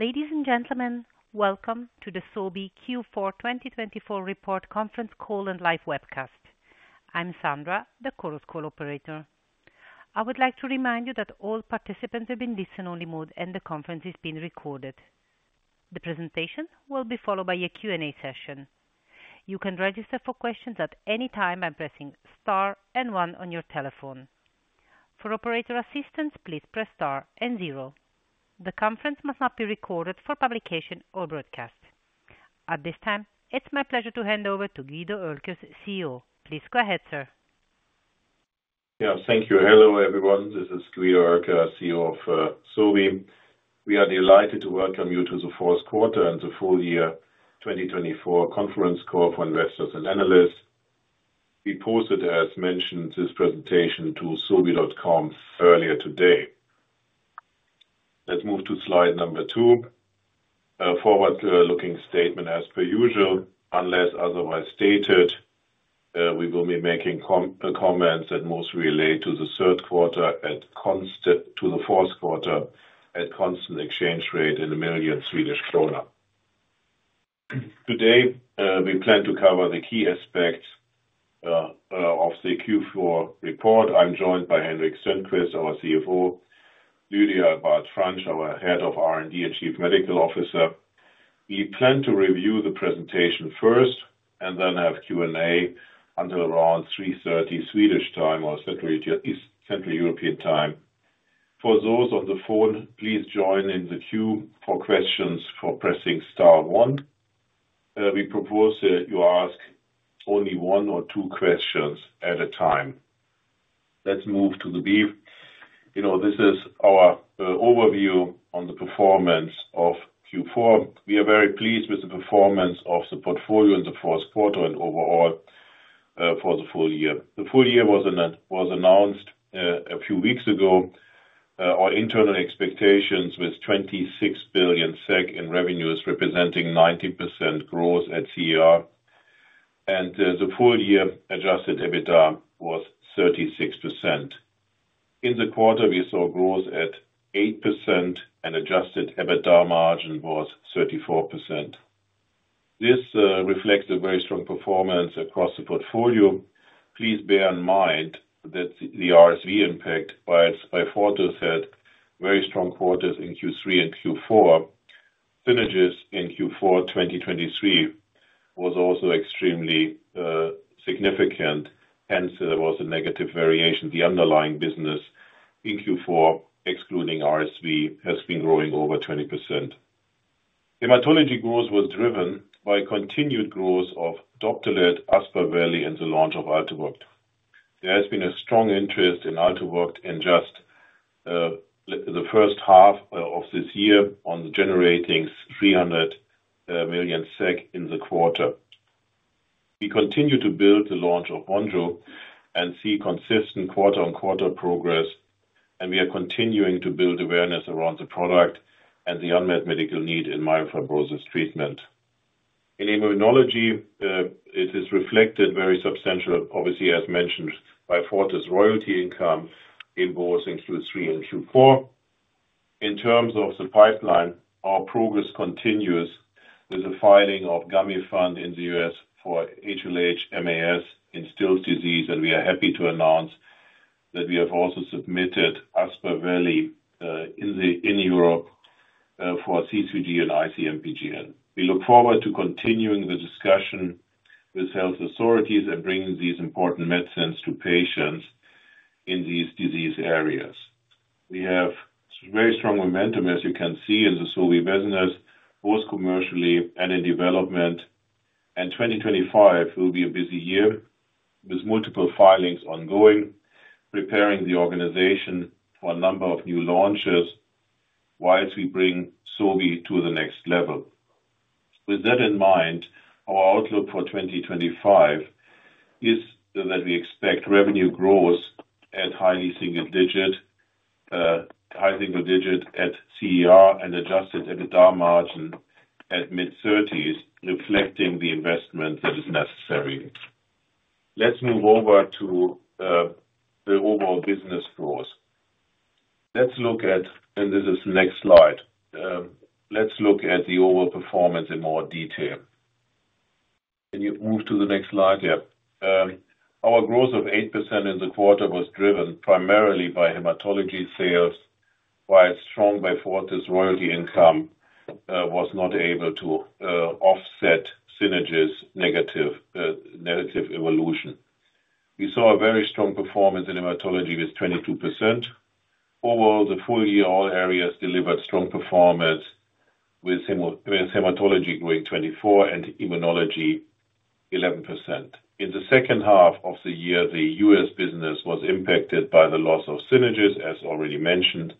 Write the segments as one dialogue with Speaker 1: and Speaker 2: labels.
Speaker 1: Ladies and gentlemen, welcome to the Sobi Q4 2024 Report Conference Call and Live Webcast. I'm Sandra, the Chorus Call operator. I would like to remind you that all participants are in listen-only mode and the conference is being recorded. The presentation will be followed by a Q&A session. You can register for questions at any time by pressing star and one on your telephone. For operator assistance, please press star and zero. The conference must not be recorded for publication or broadcast. At this time, it's my pleasure to hand over to Guido Oelkers, CEO. Please go ahead, sir.
Speaker 2: Yeah, thank you. Hello, everyone. This is Guido Oelkers, CEO of Sobi. We are delighted to welcome you to the fourth quarter and the full year 2024 Conference Call for Investors and Analysts. We posted, as mentioned, this presentation to Sobi.com earlier today. Let's move to slide number two. A forward-looking statement as per usual. Unless otherwise stated, we will be making comments that mostly relate to the fourth quarter at constant exchange rate in millions of Swedish krona. Today, we plan to cover the key aspects of the Q4 report. I'm joined by Henrik Stenqvist, our CFO, Lydia Abad-Franch, our Head of R&D and Chief Medical Officer. We plan to review the presentation first and then have Q&A until around 3:30 Swedish time or Central European time. For those on the phone, please join in the queue for questions by pressing star one. We propose that you ask only one or two questions at a time. Let's move to the brief. This is our overview on the performance of Q4. We are very pleased with the performance of the portfolio in the fourth quarter and overall for the full year. The full year was announced a few weeks ago. Our internal expectations were 26 billion SEK in revenues, representing 90% growth at CER, and the full-year adjusted EBITDA was 36%. In the quarter, we saw growth at 8%, and adjusted EBITDA margin was 34%. This reflects a very strong performance across the portfolio. Please bear in mind that the RSV impact by quarters had very strong quarters in Q3 and Q4. Synagis in Q4 2023 was also extremely significant. Hence, there was a negative variation. The underlying business in Q4, excluding RSV, has been growing over 20%. Hematology growth was driven by continued growth of Doptelet and Aspaveli and the launch of Altuviiio. There has been a strong interest in Altuviiio in just the first half of this year on generating 300 million SEK in the quarter. We continue to build the launch of Vonjo and see consistent quarter-on-quarter progress. We are continuing to build awareness around the product and the unmet medical need in myelofibrosis treatment. In immunology, it is reflected very substantially, obviously, as mentioned, by Beyfortus' royalty income in both Q3 and Q4. In terms of the pipeline, our progress continues with the filing of Gamifant in the U.S. for HLH-MAS in Still's disease. We are happy to announce that we have also submitted Aspaveli in Europe for C3G and IC-MPGN. We look forward to continuing the discussion with health authorities and bringing these important medicines to patients in these disease areas. We have very strong momentum, as you can see, in the Sobi business, both commercially and in development. 2025 will be a busy year with multiple filings ongoing, preparing the organization for a number of new launches while we bring Sobi to the next level. With that in mind, our outlook for 2025 is that we expect revenue growth at highly single-digit, high single-digit at CER and adjusted EBITDA margin at mid-30s, reflecting the investment that is necessary. Let's move over to the overall business growth. Let's look at, and this is the next slide. Let's look at the overall performance in more detail. Can you move to the next slide? Yeah. Our growth of 8% in the quarter was driven primarily by hematology sales, while strong Beyfortus' royalty income was not able to offset Synagis' negative evolution. We saw a very strong performance in hematology with 22%. Overall, the full-year all areas delivered strong performance with hematology growing 24% and immunology 11%. In the second half of the year, the U.S. business was impacted by the loss of Synagis, as already mentioned,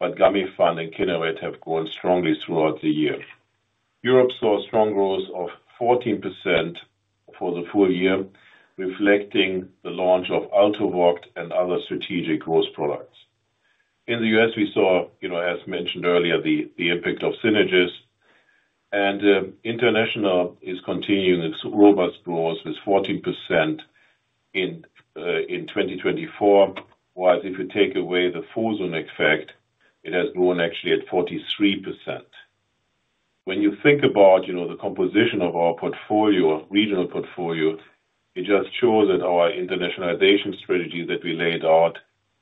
Speaker 2: but Gamifant and Kineret have grown strongly throughout the year. Europe saw strong growth of 14% for the full year, reflecting the launch of Altuviiio and other strategic growth products. In the U.S., we saw, as mentioned earlier, the impact of Synagis, and international is continuing its robust growth with 14% in 2024, while if you take away the Fosun effect, it has grown actually at 43%. When you think about the composition of our portfolio, regional portfolio, it just shows that our internationalization strategy that we laid out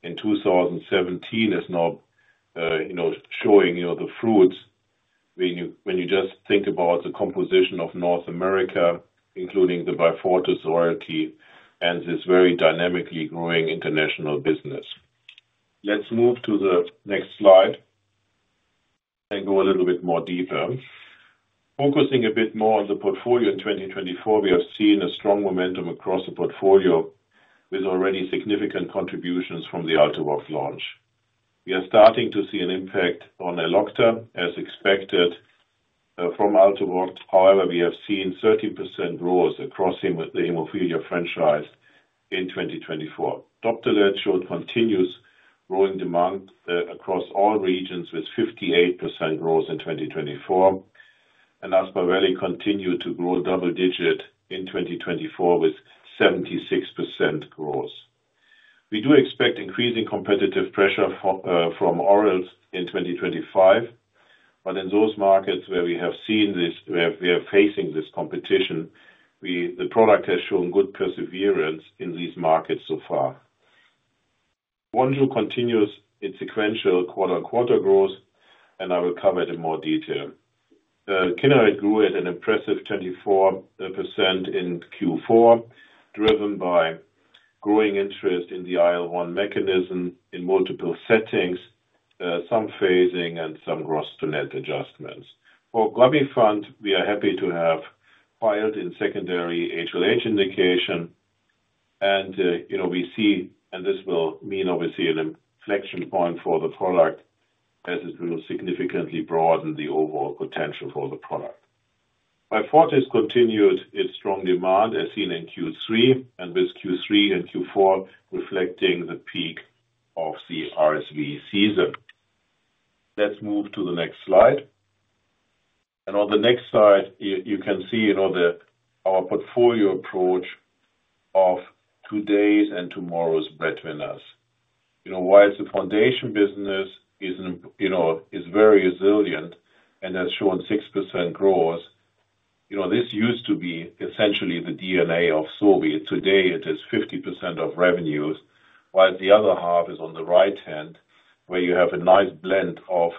Speaker 2: in 2017 is now showing the fruits when you just think about the composition of North America, including the Beyfortus royalty and this very dynamically growing international business. Let's move to the next slide and go a little bit more deeper. Focusing a bit more on the portfolio in 2024, we have seen a strong momentum across the portfolio with already significant contributions from the Altuviiio launch. We are starting to see an impact on Elocta, as expected from Altuviiio. However, we have seen 30% growth across the hemophilia franchise in 2024. Doptelet showed continuous growing demand across all regions with 58% growth in 2024, and Aspaveli continued to grow double-digit in 2024 with 76% growth. We do expect increasing competitive pressure from orals in 2025, but in those markets where we have seen this, we are facing this competition, the product has shown good perseverance in these markets so far. Vonjo continues its sequential quarter-on-quarter growth, and I will cover it in more detail. Kineret grew at an impressive 24% in Q4, driven by growing interest in the IL-1 mechanism in multiple settings, some phasing, and some gross-to-net adjustments. For Gamifant, we are happy to have filed in secondary HLH indication, and we see, and this will mean, obviously, an inflection point for the product as it will significantly broaden the overall potential for the product. Beyfortus continued its strong demand as seen in Q3, and with Q3 and Q4 reflecting the peak of the RSV season. Let's move to the next slide. On the next slide, you can see our portfolio approach of today's and tomorrow's breadwinners. While the foundation business is very resilient and has shown 6% growth, this used to be essentially the DNA of Sobi. Today, it is 50% of revenues, while the other half is on the right hand, where you have a nice blend of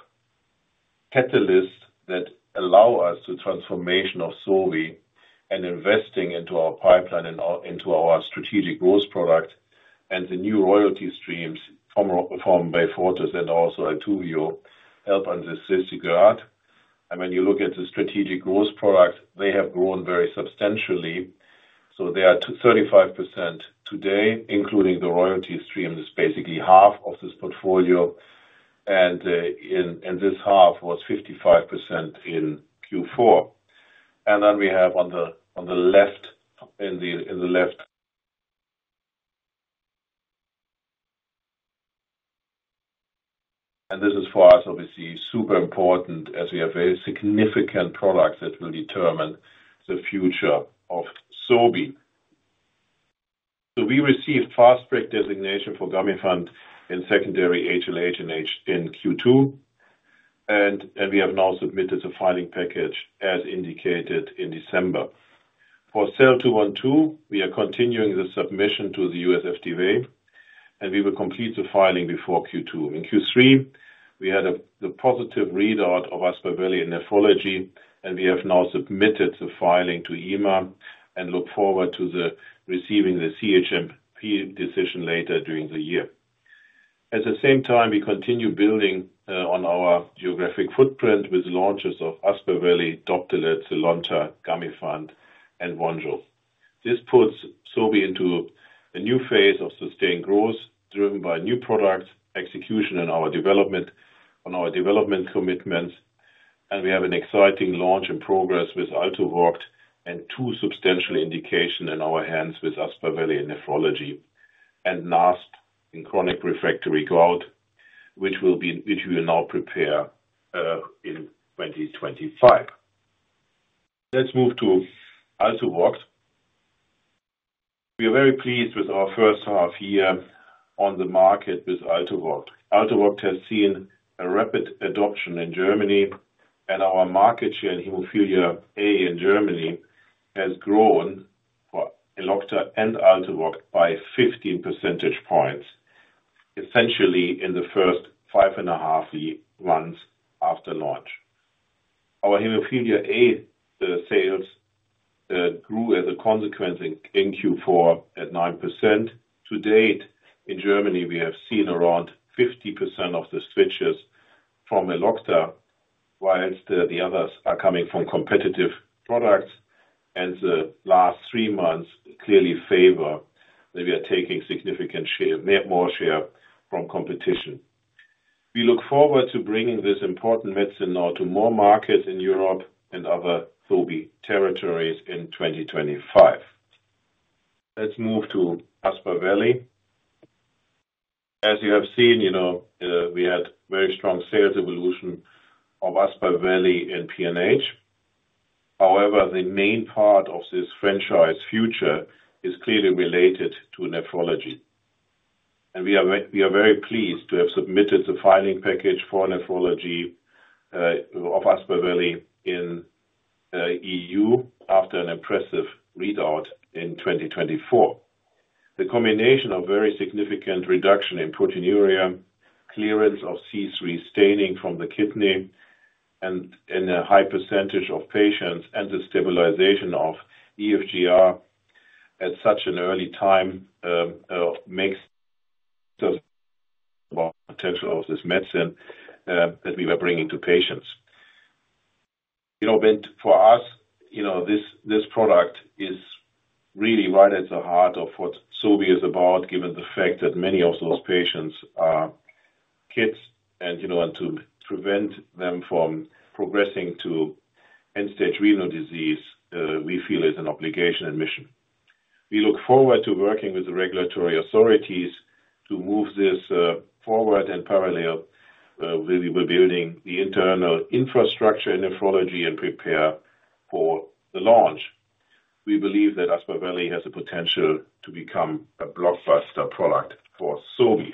Speaker 2: catalysts that allow us the transformation of Sobi and investing into our pipeline and into our strategic growth product. The new royalty streams formed by Beyfortus and also Altuviiio help on this side. When you look at the strategic growth product, they have grown very substantially. So they are 35% today, including the royalty stream. It's basically half of this portfolio, and this half was 55% in Q4. Then we have on the left, in the left. This is for us, obviously, super important as we have very significant products that will determine the future of Sobi. We received fast track designation for Gamifant in secondary HLH in Q2, and we have now submitted the filing package as indicated in December. For SEL-212, we are continuing the submission to the U.S. FDA, and we will complete the filing before Q2. In Q3, we had the positive readout of Aspaveli in nephrology, and we have now submitted the filing to EMA and look forward to receiving the CHMP decision later during the year. At the same time, we continue building on our geographic footprint with launches of Aspaveli, Doptelet, Zynlonta, Gamifant, and Vonjo. This puts Sobi into a new phase of sustained growth driven by new product execution and our development on our development commitments. We have an exciting launch in progress with Altuviiio and two substantial indications in our hands with Aspaveli in nephrology and SEL-212 in chronic refractory gout, which we will now prepare in 2025. Let's move to Altuviiio. We are very pleased with our first half year on the market with Altuviiio. Altuviiio has seen a rapid adoption in Germany, and our market share in hemophilia A in Germany has grown for Elocta and Altuviiio by 15 percentage points, essentially in the first five and a half months after launch. Our hemophilia A sales grew as a consequence in Q4 at 9%. To date, in Germany, we have seen around 50% of the switches from Elocta, while the others are coming from competitive products. The last three months clearly favor that we are taking significant share, more share from competition. We look forward to bringing this important medicine now to more markets in Europe and other Sobi territories in 2025. Let's move to Aspaveli. As you have seen, we had very strong sales evolution of Aspaveli in PNH. However, the main part of this franchise future is clearly related to nephrology. And we are very pleased to have submitted the filing package for nephrology of Aspaveli in EU after an impressive readout in 2024. The combination of very significant reduction in proteinuria, clearance of C3 staining from the kidney, and a high percentage of patients and the stabilization of eGFR at such an early time makes the potential of this medicine that we are bringing to patients. For us, this product is really right at the heart of what Sobi is about, given the fact that many of those patients are kids. To prevent them from progressing to end-stage renal disease, we feel it's an obligation and mission. We look forward to working with the regulatory authorities to move this forward. Parallel, we're building the internal infrastructure in nephrology and prepare for the launch. We believe that Aspaveli has the potential to become a blockbuster product for SOBI.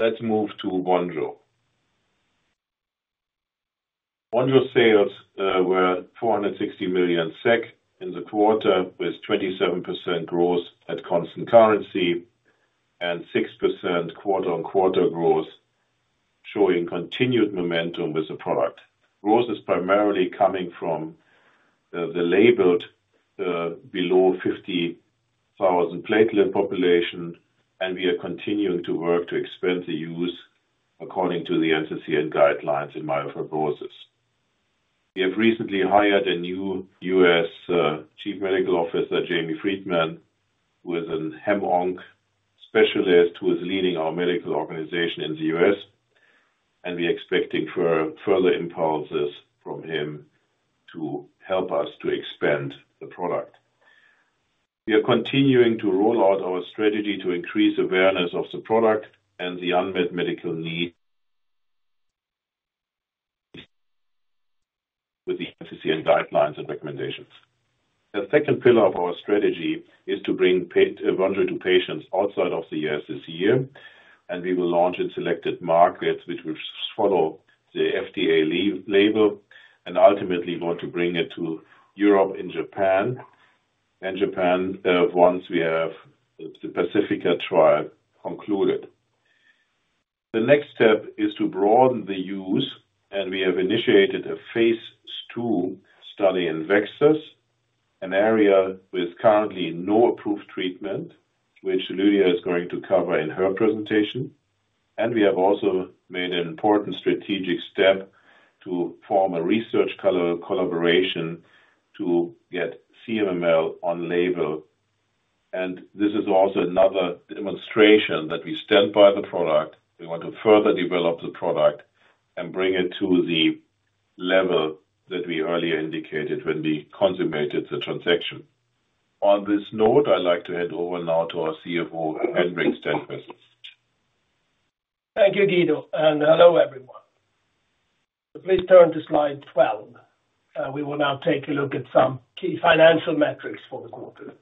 Speaker 2: Let's move to Vonjo. Vonjo sales were 460 million SEK in the quarter with 27% growth at constant currency and 6% quarter-on-quarter growth, showing continued momentum with the product. Growth is primarily coming from the labeled below 50,000 platelet population, and we are continuing to work to expand the use according to the NCCN guidelines in myelofibrosis. We have recently hired a new U.S. Chief Medical Officer, Jamie Freedman, who is a hem-onc specialist who is leading our medical organization in the U.S. We are expecting further impulses from him to help us to expand the product. We are continuing to roll out our strategy to increase awareness of the product and the unmet medical need with the NCCN guidelines and recommendations. The second pillar of our strategy is to bring Vonjo to patients outside of the U.S. this year, and we will launch in selected markets, which will follow the FDA label, and ultimately want to bring it to Europe and Japan once we have the pacritinib trial concluded. The next step is to broaden the use, and we have initiated a Phase II study in VEXAS, an area with currently no approved treatment, which Lydia is going to cover in her presentation. We have also made an important strategic step to form a research collaboration to get CMML on label. This is also another demonstration that we stand by the product. We want to further develop the product and bring it to the level that we earlier indicated when we consummated the transaction. On this note, I'd like to hand over now to our CFO, Henrik Stenqvist. Thank you, Guido, and hello, everyone. Please turn to slide 12. We will now take a look at some key financial metrics for the quarter.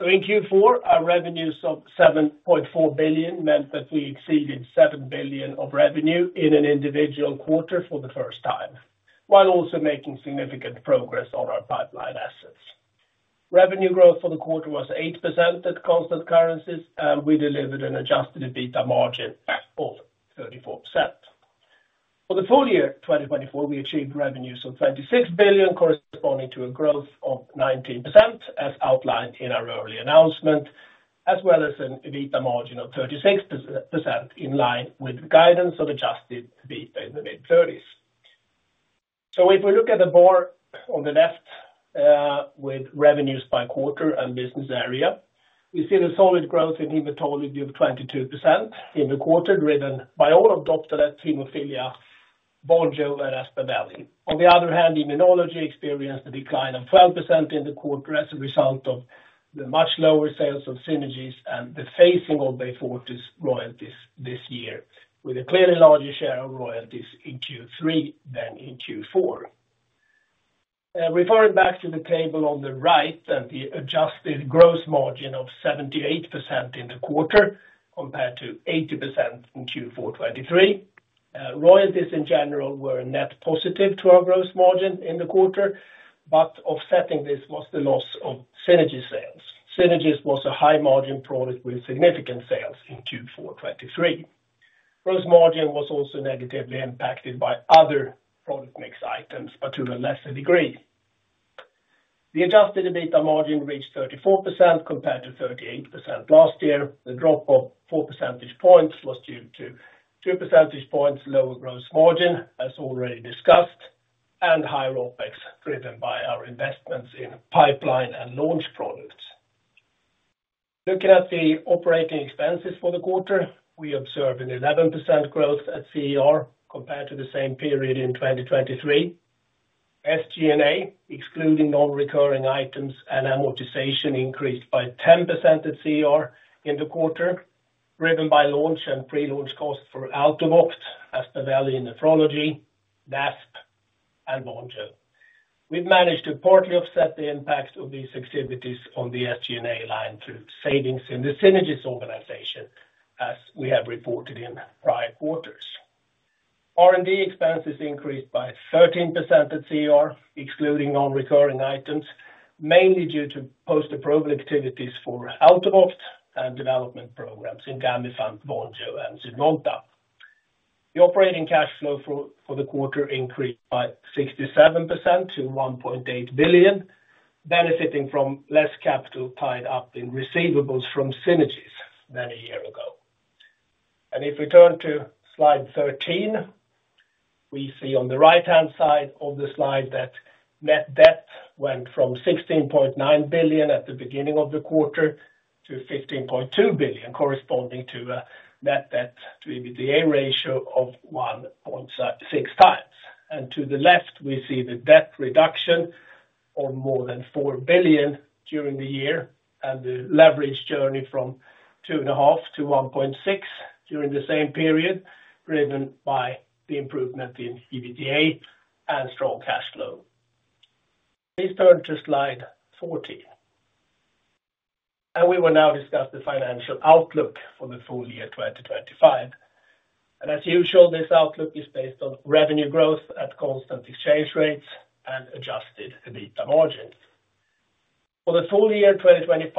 Speaker 2: In Q4, our revenues of 7.4 billion meant that we exceeded 7 billion of revenue in an individual quarter for the first time, while also making significant progress on our pipeline assets. Revenue growth for the quarter was 8% at constant currencies, and we delivered an adjusted EBITDA margin of 34%. For the full year 2024, we achieved revenues of 26 billion, corresponding to a growth of 19%, as outlined in our early announcement, as well as an EBITDA margin of 36% in line with guidance of adjusted EBITDA in the mid-30s. So if we look at the bar on the left with revenues by quarter and business area, we see the solid growth in hematology of 22% in the quarter, driven by all of Doptelet hemophilia, Vonjo, and Aspaveli. On the other hand, immunology experienced a decline of 12% in the quarter as a result of the much lower sales of Synagis and the phasing of Beyfortus royalties this year, with a clearly larger share of royalties in Q3 than in Q4. Referring back to the table on the right and the adjusted gross margin of 78% in the quarter compared to 80% in Q4 2023, royalties in general were net positive to our gross margin in the quarter, but offsetting this was the loss of Synagis sales. Synagis was a high-margin product with significant sales in Q4 2023. Gross margin was also negatively impacted by other product mix items, but to a lesser degree. The adjusted EBITDA margin reached 34% compared to 38% last year. The drop of 4 percentage points was due to 2 percentage points lower gross margin, as already discussed, and higher OpEx driven by our investments in pipeline and launch products. Looking at the operating expenses for the quarter, we observe an 11% growth at CER compared to the same period in 2023. SG&A, excluding non-recurring items and amortization, increased by 10% at CER in the quarter, driven by launch and pre-launch costs for Altuviiio, Aspaveli in nephrology, Synagis, and Vonjo. We've managed to partly offset the impact of these activities on the SG&A line through savings in the Synagis organization, as we have reported in prior quarters. R&D expenses increased by 13% at CER, excluding non-recurring items, mainly due to post-approval activities for Altuviiio and development programs in Gamifant, Vonjo, and Zynlonta. The operating cash flow for the quarter increased by 67% to 1.8 billion, benefiting from less capital tied up in receivables from Synagis than a year ago. If we turn to slide 13, we see on the right-hand side of the slide that net debt went from 16.9 billion at the beginning of the quarter to 15.2 billion, corresponding to a net debt to EBITDA ratio of 1.6 times. To the left, we see the debt reduction of more than 4 billion during the year and the leverage journey from 2.5 to 1.6 during the same period, driven by the improvement in EBITDA and strong cash flow. Please turn to slide 14. We will now discuss the financial outlook for the full year 2025. As usual, this outlook is based on revenue growth at constant exchange rates and adjusted EBITDA margins. For the full year 2025,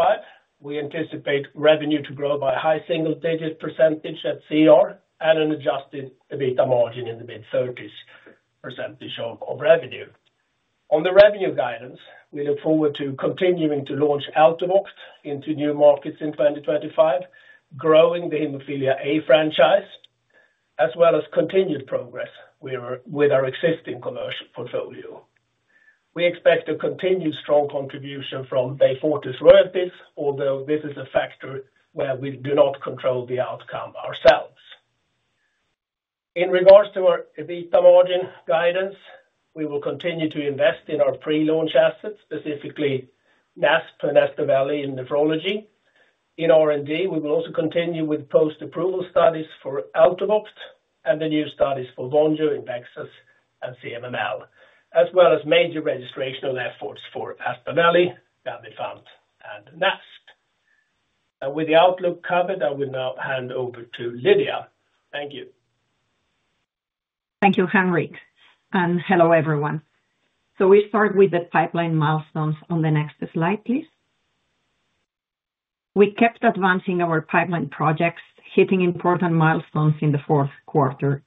Speaker 2: we anticipate revenue to grow by a high single-digit % at CER and an adjusted EBITDA margin in the mid-30s % of revenue. On the revenue guidance, we look forward to continuing to launch Altuviiio into new markets in 2025, growing the hemophilia A franchise, as well as continued progress with our existing commercial portfolio. We expect a continued strong contribution from Beyfortus royalties, although this is a factor where we do not control the outcome ourselves. In regards to our EBITDA margin guidance, we will continue to invest in our pre-launch assets, specifically NASP and Aspaveli in nephrology. In R&D, we will also continue with post-approval studies for Altuviiio and the new studies for Vonjo in VEXAS and CMML, as well as major registrational efforts for Aspaveli, Gamifant, and NASP. And with the outlook covered, I will now hand over to Lydia. Thank you.
Speaker 3: Thank you, Henrik. And hello, everyone. So we start with the pipeline milestones on the next slide, please. We kept advancing our pipeline projects, hitting important milestones in the fourth quarter.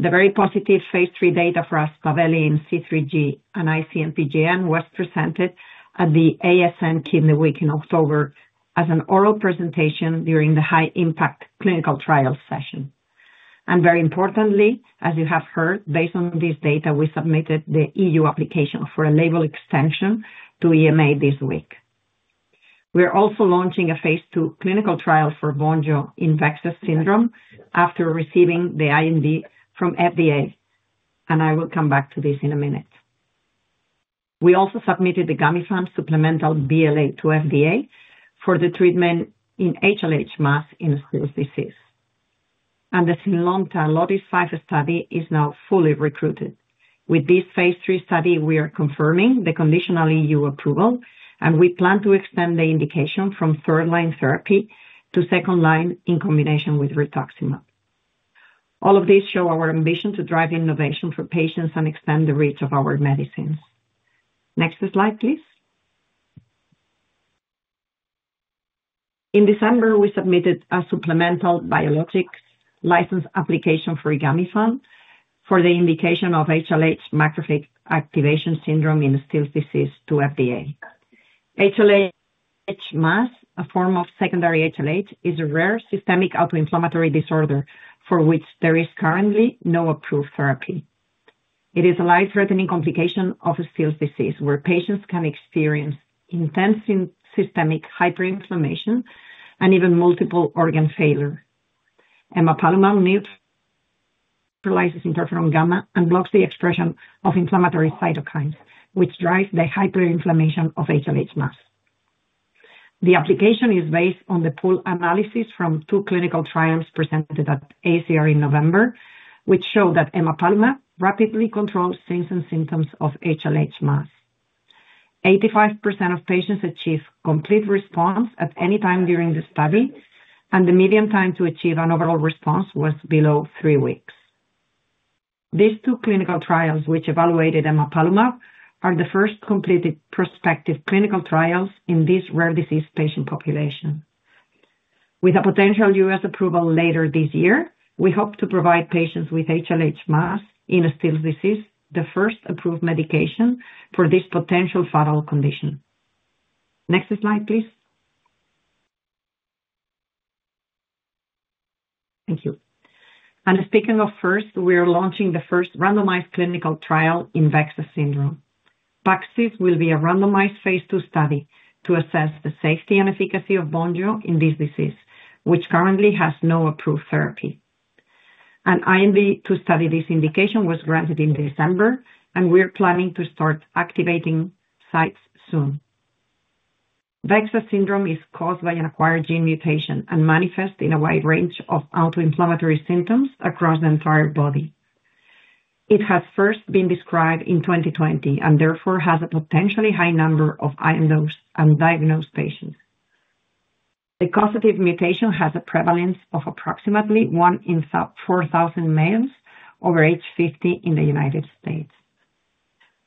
Speaker 3: The very positive phase three data for Aspaveli in C3G and IC-MPGN was presented at the ASN Kidney Week in October as an oral presentation during the high-impact clinical trial session. And very importantly, as you have heard, based on this data, we submitted the EU application for a label extension to EMA this week. We are also launching a Phase II clinical trial for Vonjo in VEXAS syndrome after receiving the IND from FDA. And I will come back to this in a minute. We also submitted the Gamifant supplemental BLA to FDA for the treatment in HLH, MAS in Still's disease. And the Zynlonta LOTIS-5 study is now fully recruited. With this phase three study, we are confirming the conditional EU approval, and we plan to extend the indication from third-line therapy to second line in combination with rituximab. All of these show our ambition to drive innovation for patients and extend the reach of our medicines. Next slide, please. In December, we submitted a supplemental biologic license application for Gamifant for the indication of HLH macrophage activation syndrome in Still's disease to FDA. HLH MAS, a form of secondary HLH, is a rare systemic autoinflammatory disorder for which there is currently no approved therapy. It is a life-threatening complication of Still's disease where patients can experience intense systemic hyperinflammation and even multiple organ failure. Emapalumab neutralizes interferon gamma and blocks the expression of inflammatory cytokines, which drives the hyperinflammation of HLH MAS. The application is based on the pooled analysis from two clinical trials presented at ACR in November, which showed that emapalumab rapidly controls signs and symptoms of HLH/MAS. 85% of patients achieved complete response at any time during the study, and the median time to achieve an overall response was below three weeks. These two clinical trials, which evaluated emapalumab, are the first completed prospective clinical trials in this rare disease patient population. With a potential U.S. approval later this year, we hope to provide patients with HLH/MAS in systemic disease the first approved medication for this potentially fatal condition. Next slide, please. Thank you. Speaking of first, we are launching the first randomized clinical trial in VEXAS syndrome. PAXIS will be a randomized Phase II study to assess the safety and efficacy of Vonjo in this disease, which currently has no approved therapy. An IND to study this indication was granted in December, and we are planning to start activating sites soon. VEXAS syndrome is caused by an acquired gene mutation and manifests in a wide range of autoinflammatory symptoms across the entire body. It has first been described in 2020 and therefore has a potentially high number of undiagnosed patients. The causative mutation has a prevalence of approximately one in 4,000 males over age 50 in the United States.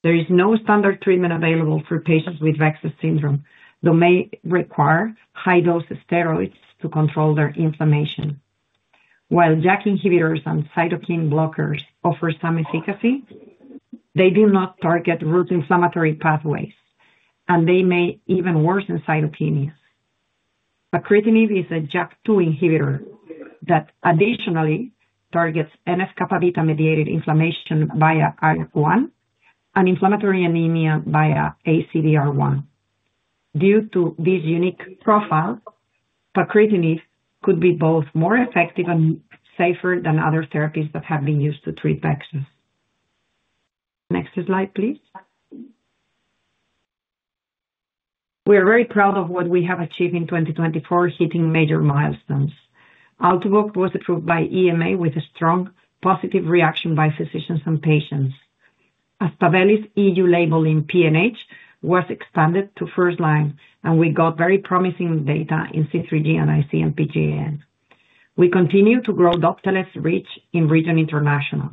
Speaker 3: There is no standard treatment available for patients with VEXAS syndrome, though it may require high-dose steroids to control their inflammation. While JAK inhibitors and cytokine blockers offer some efficacy, they do not target root inflammatory pathways, and they may even worsen cytopenias. Pacritinib is a JAK2 inhibitor that additionally targets NF-kappaB-mediated inflammation via IL-1 and inflammatory anemia via ACVR1. Due to this unique profile, Pacritinib could be both more effective and safer than other therapies that have been used to treat VEXAS. Next slide, please. We are very proud of what we have achieved in 2024, hitting major milestones. Altuviiio was approved by EMA with a strong positive reaction by physicians and patients. Aspaveli's EU label in PNH was expanded to first line, and we got very promising data in C3G and IC-MPGN. We continue to grow Doptelet reach in region international.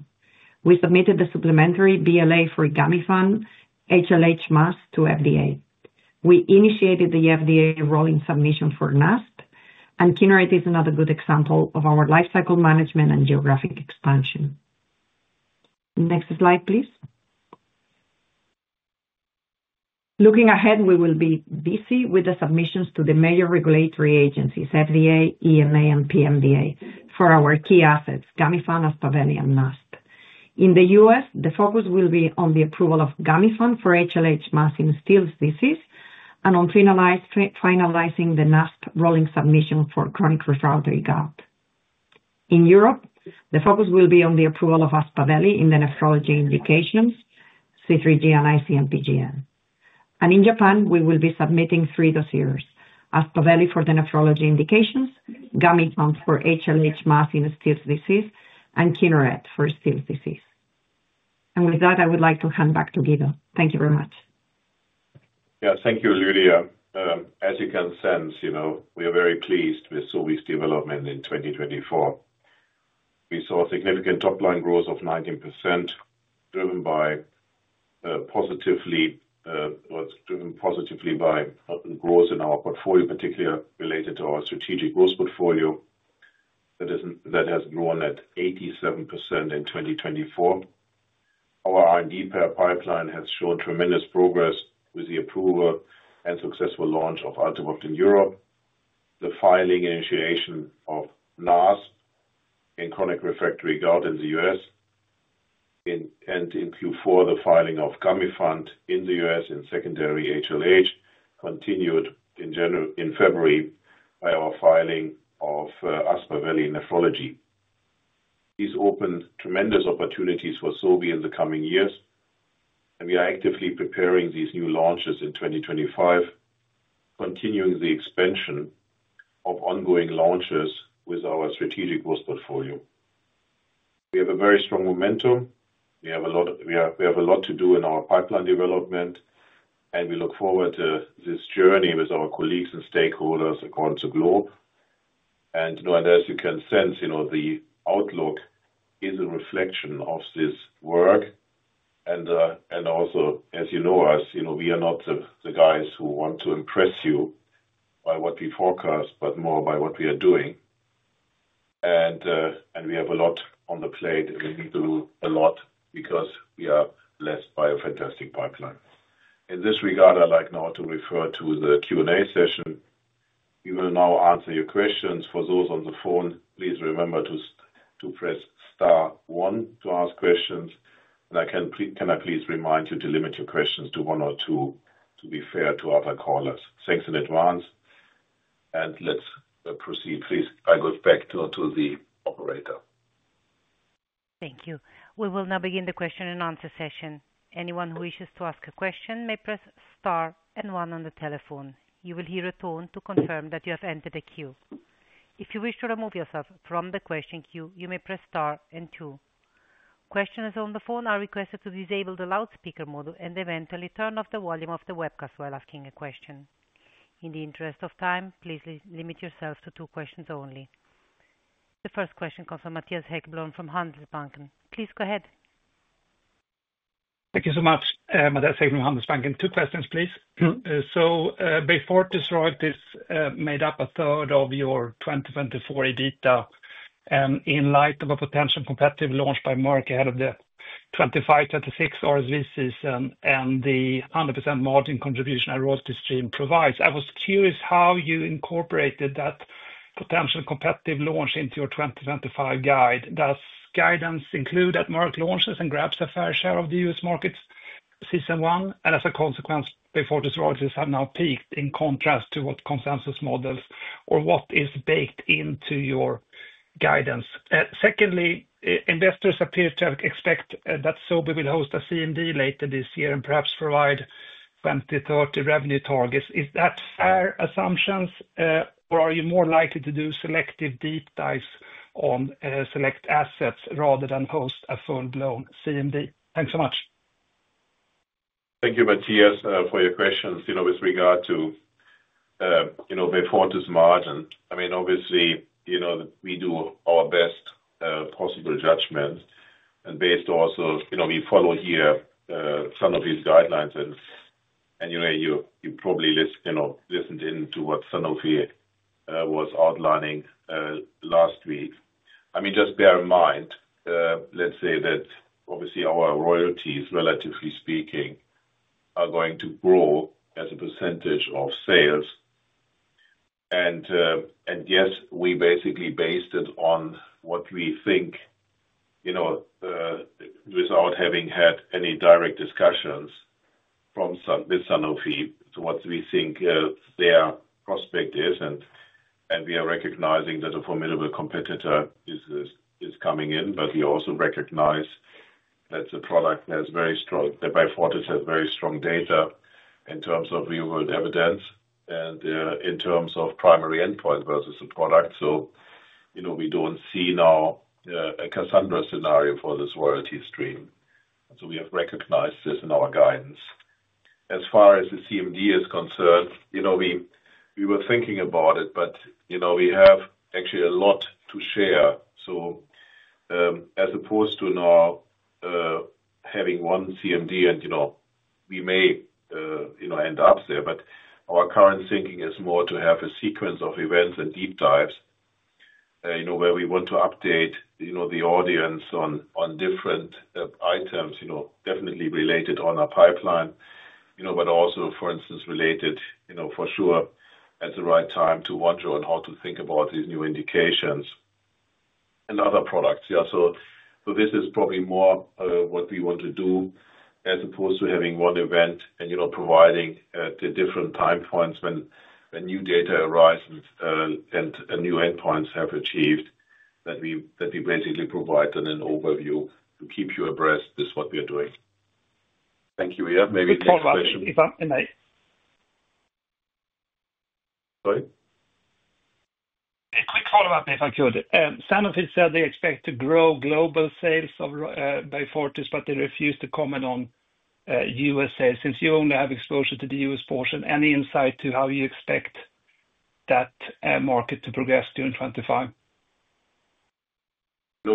Speaker 3: We submitted the supplementary BLA for Gamifant, HLH, MAS to FDA. We initiated the FDA rolling submission for NASP, and Kineret is another good example of our lifecycle management and geographic expansion. Next slide, please. Looking ahead, we will be busy with the submissions to the major regulatory agencies, FDA, EMA, and PMDA, for our key assets, Gamifant, Aspaveli, and NASP. In the U.S., the focus will be on the approval of Gamifant for HLH, MAS, and Still's disease and on finalizing the BLA rolling submission for chronic refractory gout. In Europe, the focus will be on the approval of Aspaveli in the nephrology indications, C3G and IC-MPGN. In Japan, we will be submitting three dossiers: Aspaveli for the nephrology indications, Gamifant for HLH, MAS, and Still's disease, and Kineret for Still's disease. With that, I would like to hand back to Guido. Thank you very much.
Speaker 2: Yeah, thank you, Lydia. As you can sense, you know we are very pleased with Sobi's development in 2024. We saw a significant top-line growth of 19%, driven positively by growth in our portfolio, particularly related to our strategic growth portfolio that has grown at 87% in 2024. Our R&D pipeline has shown tremendous progress with the approval and successful launch of Altuviiio in Europe, the filing initiation of SEL-212 in chronic refractory gout in the U.S., and in Q4, the filing of Gamifant in the U.S. in secondary HLH continued in February by our filing of Aspaveli nephrology. These open tremendous opportunities for Sobi in the coming years, and we are actively preparing these new launches in 2025, continuing the expansion of ongoing launches with our strategic growth portfolio. We have a very strong momentum. We have a lot to do in our pipeline development, and we look forward to this journey with our colleagues and stakeholders across the globe, and as you can sense, the outlook is a reflection of this work. Also, as you know, we are not the guys who want to impress you by what we forecast, but more by what we are doing. We have a lot on the plate, and we need to do a lot because we are blessed by a fantastic pipeline. In this regard, I'd like now to refer to the Q&A session. We will now answer your questions. For those on the phone, please remember to press star one to ask questions. Can I please remind you to limit your questions to one or two to be fair to other callers? Thanks in advance. Let's proceed, please. I go back to the operator.
Speaker 1: Thank you. We will now begin the question and answer session. Anyone who wishes to ask a question may press star and one on the telephone. You will hear a tone to confirm that you have entered a queue. If you wish to remove yourself from the question queue, you may press star and two. Questioners on the phone are requested to disable the loudspeaker mode and eventually turn off the volume of the webcast while asking a question. In the interest of time, please limit yourself to two questions only. The first question comes from Mattias Häggblom from Handelsbanken. Please go ahead.
Speaker 4: Thank you so much, Mattias Häggblom from Handelsbanken. Two questions, please. So Beyfortus royalties made up a third of your 2024 EBITDA in light of a potential competitive launch by Merck ahead of the 25-26 RSV season and the 100% margin contribution that royalty stream provides. I was curious how you incorporated that potential competitive launch into your 2025 guide. Does guidance include that Merck launches and grabs a fair share of the U.S. market season one? And as a consequence, Beyfortus royalties have now peaked in contrast to what consensus models or what is baked into your guidance? Secondly, investors appear to expect that Sobi will host a CMD later this year and perhaps provide 2030 revenue targets. Is that fair assumptions, or are you more likely to do selective deep dives on select assets rather than host a full-blown CMD? Thanks so much.
Speaker 2: Thank you, Mattias, for your questions. With regard to Beyfortus' margin, I mean, obviously, we do our best possible judgment. And based also, we follow here some of these guidelines. And you probably listened into what Sanofi was outlining last week. I mean, just bear in mind, let's say that obviously our royalties, relatively speaking, are going to grow as a percentage of sales. Yes, we basically based it on what we think without having had any direct discussions with Sanofi to what we think their prospect is. We are recognizing that a formidable competitor is coming in, but we also recognize that Beyfortus has very strong data in terms of real-world evidence and in terms of primary endpoint versus the product. We don't see now a catastrophic scenario for this royalty stream. We have recognized this in our guidance. As far as the CMD is concerned, we were thinking about it, but we have actually a lot to share. So as opposed to now having one CMD, and we may end up there, but our current thinking is more to have a sequence of events and deep dives where we want to update the audience on different items, definitely related on our pipeline, but also, for instance, related for sure at the right time to wonder on how to think about these new indications and other products. So this is probably more what we want to do as opposed to having one event and providing the different time points when new data arises and new endpoints have achieved that we basically provide an overview to keep you abreast is what we are doing. Thank you. We have maybe quick question.
Speaker 4: Sorry? A quick follow-up, if I could. Sanofi said they expect to grow global sales of Beyfortus, but they refused to comment on U.S. sales since you only have exposure to the U.S. portion. Any insight to how you expect that market to progress during 2025?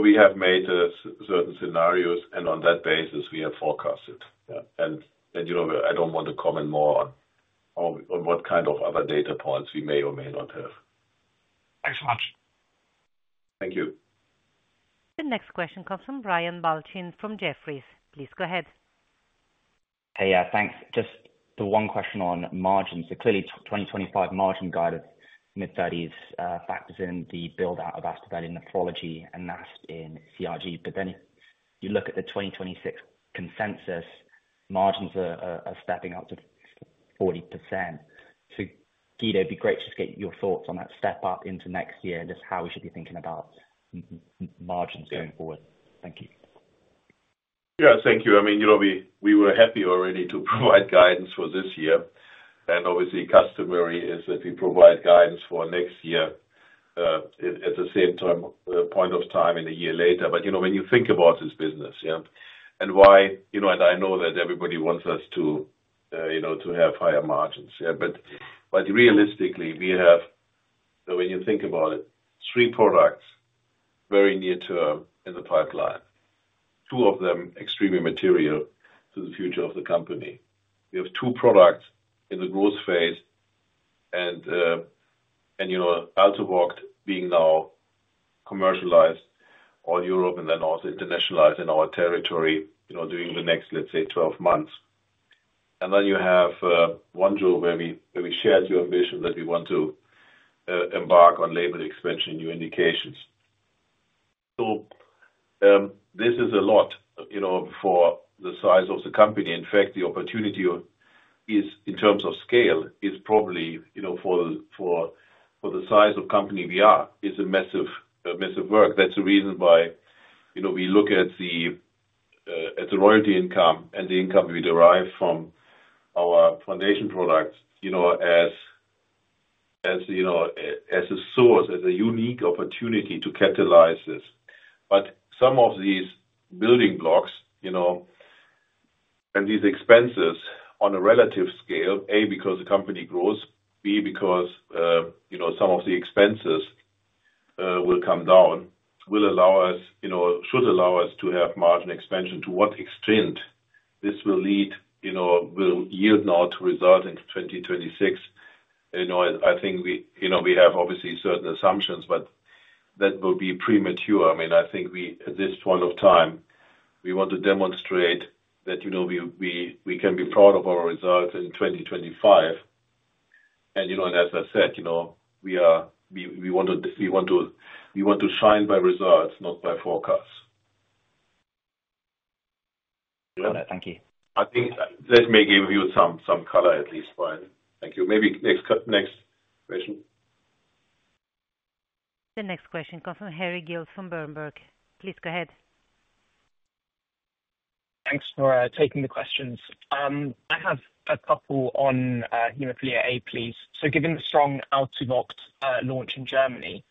Speaker 2: We have made certain scenarios, and on that basis, we have forecasted. And I don't want to comment more on what kind of other data points we may or may not have.
Speaker 4: Thanks so much.
Speaker 2: Thank you.
Speaker 1: The next question comes from Brian Balchin from Jefferies. Please go ahead.
Speaker 5: Hey, yeah, thanks. Just the one question on margins. So clearly, 2025 margin guidance in the 30s factors in the build-out of Aspaveli nephrology and NASP in CRG. But then you look at the 2026 consensus, margins are stepping up to 40%. So Guido, it'd be great to just get your thoughts on that step up into next year and just how we should be thinking about margins going forward. Thank you.
Speaker 2: Yeah, thank you. I mean, we were happy already to provide guidance for this year, and obviously, customary is that we provide guidance for next year at the same point of time in a year later, but when you think about this business, and why, and I know that everybody wants us to have higher margins, but realistically, we have, when you think about it, three products very near term in the pipeline. Two of them extremely material to the future of the company. We have two products in the growth phase, and Altuviiio being now commercialized all Europe and then also internationalized in our territory during the next, let's say, 12 months. And then you have Vonjo, where we shared your ambition that we want to embark on label expansion, new indications. So this is a lot for the size of the company. In fact, the opportunity in terms of scale is probably for the size of company we are is a massive work. That's the reason why we look at the royalty income and the income we derive from our foundation products as a source, as a unique opportunity to catalyze this. But some of these building blocks and these expenses on a relative scale, A, because the company grows, B, because some of the expenses will come down, will allow us, should allow us to have margin expansion to what extent this will lead, will yield now to result in 2026. I think we have obviously certain assumptions, but that will be premature. I mean, I think at this point of time, we want to demonstrate that we can be proud of our results in 2025. And as I said, we want to shine by results, not by forecasts. Thank you. I think that may give you some color at least, Brian. Thank you. Maybe next question.
Speaker 1: The next question comes from Harry Sephton from Berenberg. Please go ahead.
Speaker 6: Thanks for taking the questions. I have a couple on Hemophilia A, please. So given the strong Altuviiio launch in Germany,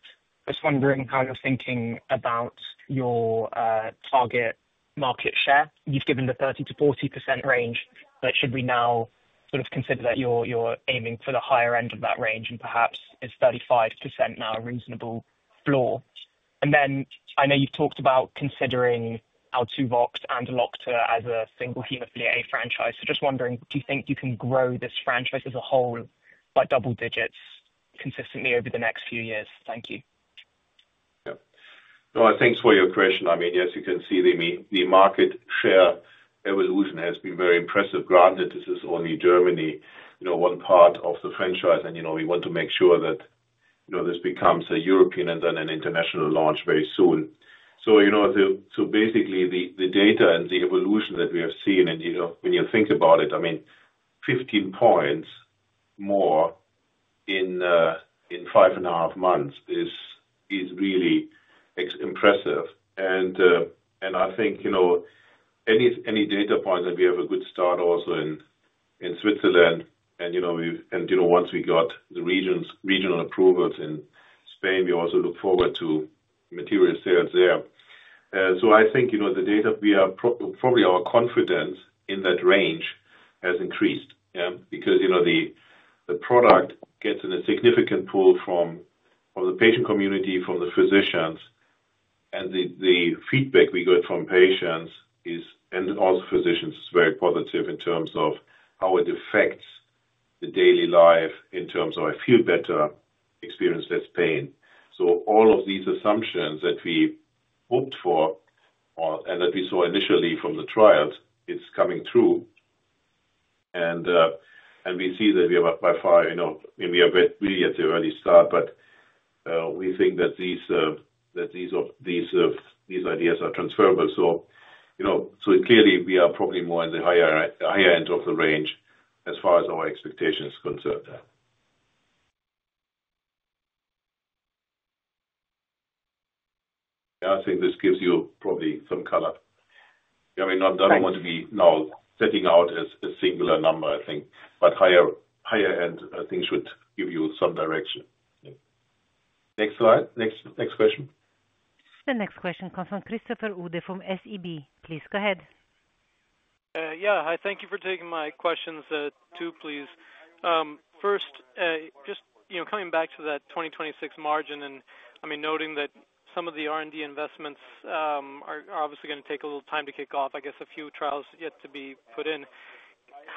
Speaker 6: just wondering how you're thinking about your target market share. You've given the 30%-40% range, but should we now sort of consider that you're aiming for the higher end of that range and perhaps is 35% now a reasonable floor? And then I know you've talked about considering Altuviiio and Elocta as a single Hemophilia A franchise. So just wondering, do you think you can grow this franchise as a whole by double digits consistently over the next few years? Thank you.
Speaker 2: Yeah. No, thanks for your question. I mean, as you can see, the market share evolution has been very impressive. Granted, this is only Germany, one part of the franchise, and we want to make sure that this becomes a European and then an international launch very soon. So basically, the data and the evolution that we have seen, and when you think about it, I mean, 15 points more in five and a half months is really impressive. And I think any data point that we have a good start also in Switzerland. And once we got the regional approvals in Spain, we also look forward to material sales there. So, I think the data we have probably increased our confidence in that range has increased because the product gets a significant pull from the patient community, from the physicians. And the feedback we get from patients and also physicians is very positive in terms of how it affects the daily life in terms of I feel better, experience less pain. So all of these assumptions that we hoped for and that we saw initially from the trials, it's coming through. And we see that we are by far, and we are really at the early start, but we think that these ideas are transferable. So clearly, we are probably more in the higher end of the range as far as our expectations are concerned. Yeah, I think this gives you probably some color. I mean, I don't want to be now setting out a singular number, I think, but higher-end things should give you some direction. Next slide. Next question.
Speaker 1: The next question comes from Christopher Uhde from SEB. Please go ahead.
Speaker 7: Yeah. Hi, thank you for taking my questions too, please. First, just coming back to that 2026 margin and, I mean, noting that some of the R&D investments are obviously going to take a little time to kick off, I guess a few trials yet to be put in.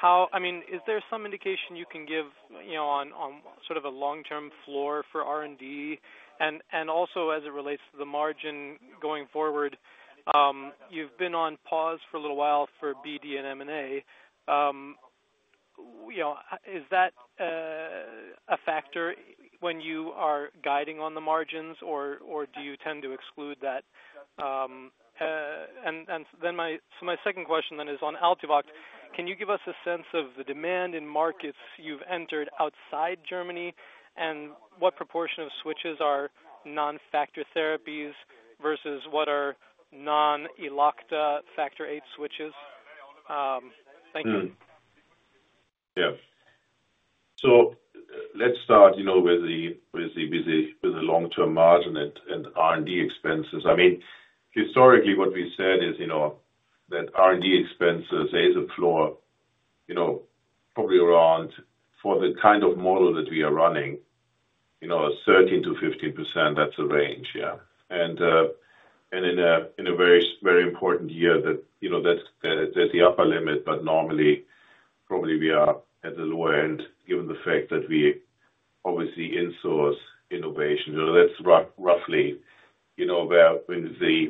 Speaker 7: I mean, is there some indication you can give on sort of a long-term floor for R&D? And also, as it relates to the margin going forward, you've been on pause for a little while for BD and M&A. Is that a factor when you are guiding on the margins, or do you tend to exclude that? My second question is on Altuviiio. Can you give us a sense of the demand in markets you've entered outside Germany and what proportion of switches are non-factor therapies versus what are non-Elocta factor VIII switches? Thank you.
Speaker 2: Yeah. Let's start with the long-term margin and R&D expenses. I mean, historically, what we said is that R&D expenses is a floor probably around for the kind of model that we are running, 13%-15%, that's a range, yeah. In a very important year, that's the upper limit, but normally, probably we are at the lower end given the fact that we obviously insource innovation. That's roughly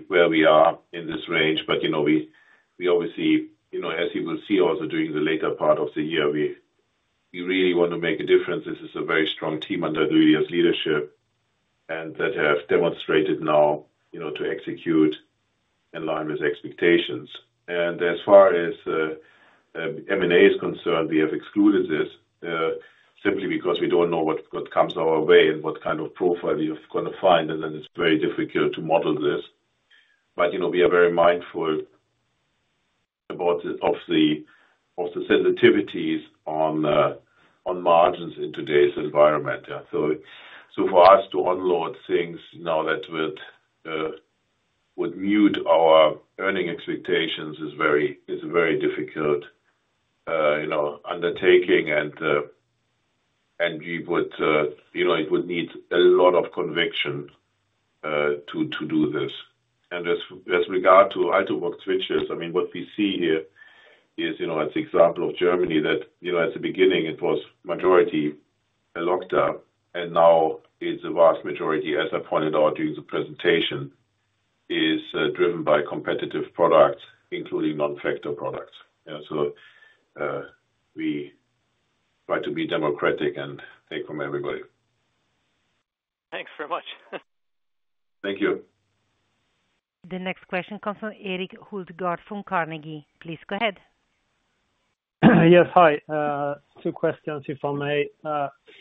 Speaker 2: where we are in this range, but we obviously, as you will see also during the later part of the year, we really want to make a difference. This is a very strong team under Guido's leadership and that have demonstrated now to execute in line with expectations. And as far as M&A is concerned, we have excluded this simply because we don't know what comes our way and what kind of profile we are going to find, and then it's very difficult to model this. But we are very mindful of the sensitivities on margins in today's environment. So for us to unload things now that would mute our earning expectations is a very difficult undertaking, and we would need a lot of conviction to do this. And with regard to Altuviiio switches, I mean, what we see here is, as the example of Germany, that at the beginning, it was majority Elocta, and now it's a vast majority, as I pointed out during the presentation, is driven by competitive products, including non-factor products. So we try to be democratic and take from everybody.
Speaker 7: Thanks very much.
Speaker 2: Thank you.
Speaker 1: The next question comes from Erik Hultgård from Carnegie. Please go ahead.
Speaker 8: Yes, hi. Two questions, if I may.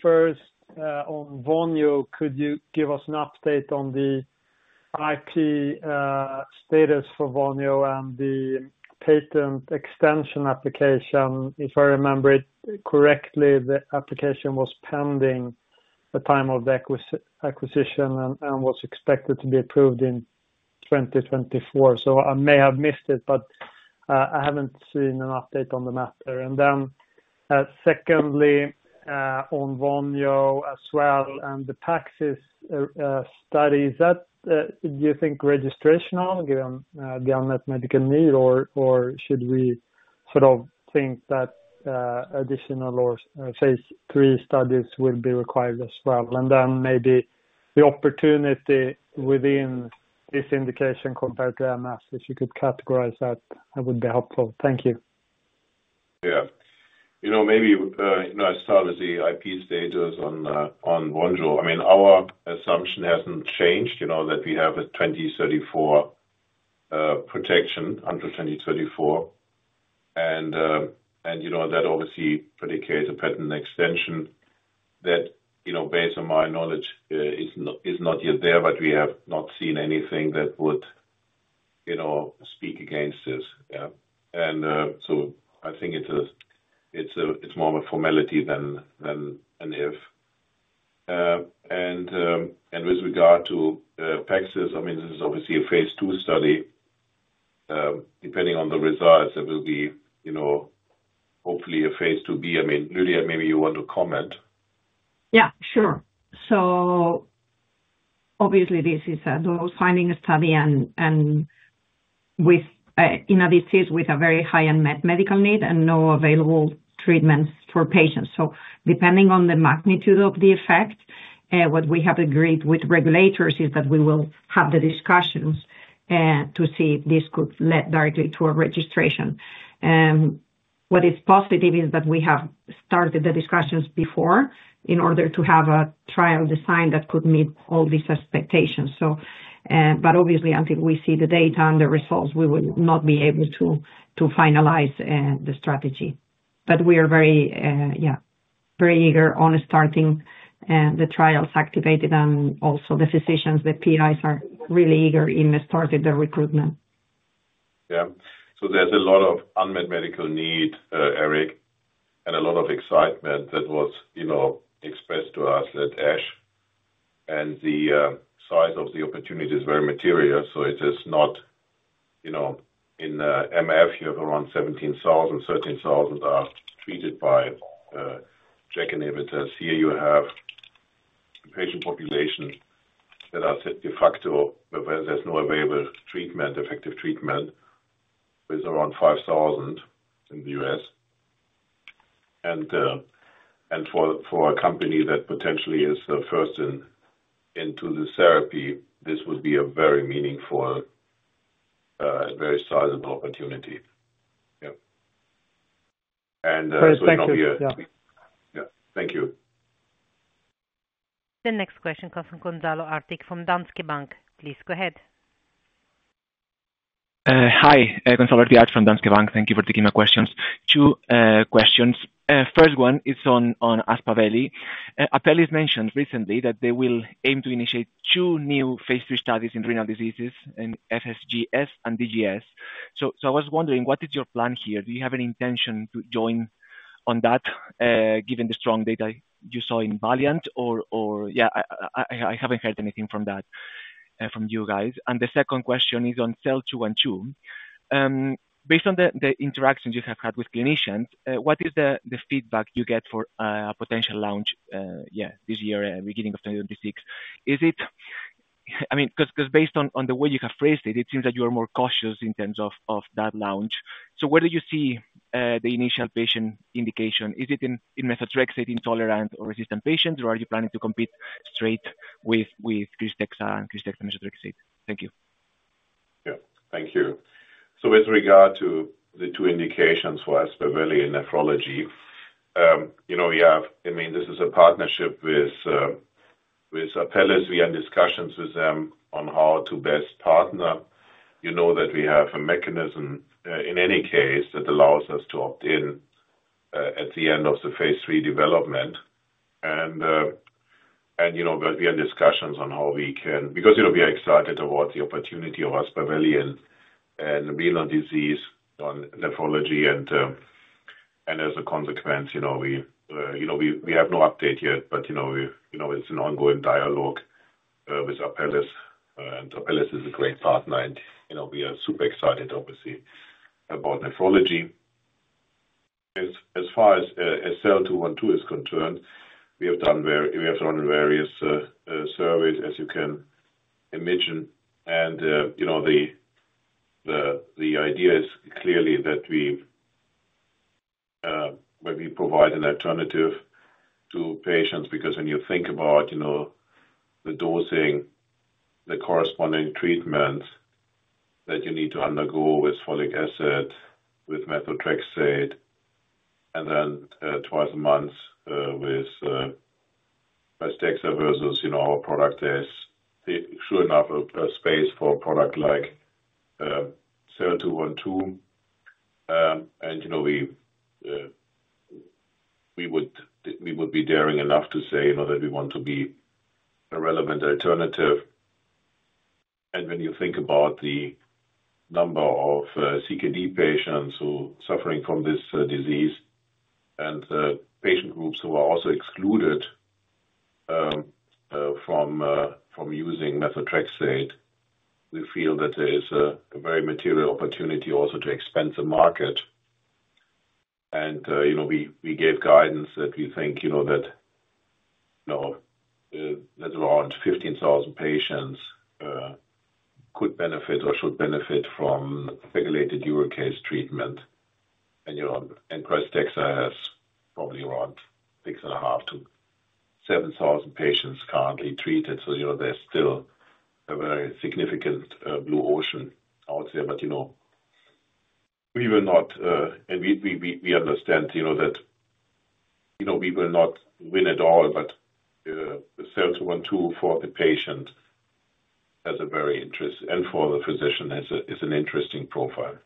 Speaker 8: First, on Vonjo, could you give us an update on the IP status for Vonjo and the patent extension application? If I remember it correctly, the application was pending at the time of the acquisition and was expected to be approved in 2024. So I may have missed it, but I haven't seen an update on the matter. And then secondly, on Vonjo as well and the PAXIS studies, do you think registrational, given the unmet medical need, or should we sort of think that additional or Phase III studies will be required as well? And then maybe the opportunity within this indication compared to MS, if you could categorize that, that would be helpful. Thank you.
Speaker 2: Yeah. Maybe I start with the IP status on Vonjo. I mean, our assumption hasn't changed that we have a 2034 protection until 2034. And that obviously predicates a patent extension that, based on my knowledge, is not yet there, but we have not seen anything that would speak against this. And so I think it's more of a formality than an if. And with regard to PAXIS, I mean, this is obviously a Phase II study. Depending on the results, there will be hopefully a Phase II B. I mean, Lydia, maybe you want to comment.
Speaker 3: Yeah, sure. So obviously, this is a low-finding study and in a disease with a very high unmet medical need and no available treatments for patients. So depending on the magnitude of the effect, what we have agreed with regulators is that we will have the discussions to see if this could lead directly to a registration. What is positive is that we have started the discussions before in order to have a trial design that could meet all these expectations. But obviously, until we see the data and the results, we will not be able to finalize the strategy. But we are very eager on starting the trials activated, and also the physicians, the PIs are really eager in starting the recruitment.
Speaker 2: Yeah. So there's a lot of unmet medical need, Erik, and a lot of excitement that was expressed to us at ESH. And the size of the opportunity is very material. So it is not in MF, you have around 17,000, 13,000 are treated by JAK inhibitors. Here you have a patient population that are de facto where there's no available treatment, effective treatment, with around 5,000 in the U.S. And for a company that potentially is the first into this therapy, this would be a very meaningful, very sizable opportunity. Yeah. And so it will be a yeah. Thank you.
Speaker 1: The next question comes from Gonzalo Artiach from Danske Bank. Please go ahead.
Speaker 9: Hi. Gonzalo Artiach from Danske Bank. Thank you for taking my questions. Two questions. First one is on Aspaveli. Apellis mentioned recently that they will aim to initiate two new Phase III studies in renal diseases, FSGS and C3G. So I was wondering, what is your plan here? Do you have an intention to join on that given the strong data you saw in VALIANT? Or yeah, I haven't heard anything from that from you guys. And the second question is on SEL-212. Based on the interactions you have had with clinicians, what is the feedback you get for a potential launch this year, beginning of 2026? I mean, because based on the way you have phrased it, it seems that you are more cautious in terms of that launch. So where do you see the initial patient indication? Is it in methotrexate intolerant or resistant patients, or are you planning to compete straight with Krystexxa and Krystexxa methotrexate? Thank you.
Speaker 2: Yeah. Thank you. So with regard to the two indications for Aspaveli and nephrology, I mean, this is a partnership with Apellis. We had discussions with them on how to best partner. You know that we have a mechanism in any case that allows us to opt in at the end of the Phase III development. We had discussions on how we can because we are excited about the opportunity of Aspaveli and renal disease on nephrology. As a consequence, we have no update yet, but it's an ongoing dialogue with Apellis. Apellis is a great partner, and we are super excited, obviously, about nephrology. As far as SEL-212 is concerned, we have done various surveys, as you can imagine. The idea is clearly that we provide an alternative to patients because when you think about the dosing, the corresponding treatments that you need to undergo with folic acid, with methotrexate, and then twice a month with Krystexxa versus our product is sure enough a space for a product like SEL-212. We would be daring enough to say that we want to be a relevant alternative. When you think about the number of CKD patients who are suffering from this disease and the patient groups who are also excluded from using methotrexate, we feel that there is a very material opportunity also to expand the market. We gave guidance that we think that there's around 15,000 patients who could benefit or should benefit from regulated uricase treatment. Krystexxa has probably around 6,500-7,000 patients currently treated. There's still a very significant blue ocean, I would say. We will not, and we understand that we will not win it all, but SEL-212 for the patient has a very interesting and for the physician is an interesting profile.